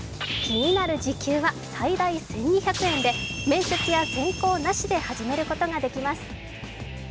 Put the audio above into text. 気になる時給は最大１２００円で面接や選考なしで始めることができます。